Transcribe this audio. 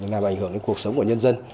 làm ảnh hưởng đến cuộc sống của nhân dân